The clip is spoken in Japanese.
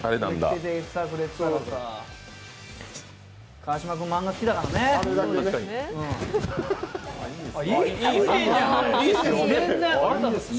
川島君、漫画好きだからね。